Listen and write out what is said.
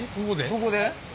どこで？